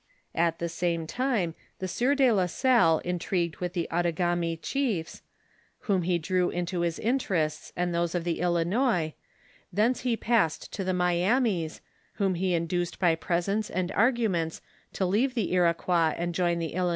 At the same time the sieur de la Salle intrigued with the Outagami chiefs, whom he drew into his interests and those of the Ilinois ; thence he passed to the Myamis, whom he in duced by presents and arguments to leave the L'oquois and DI8COVBBIE8 IN THE MISSISSIPPI VALLEY.